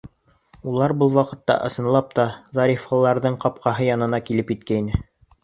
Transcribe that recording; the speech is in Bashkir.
Улар был ваҡытта, ысынлап та, Зарифаларҙың ҡапҡаһы янына килеп еткәйне.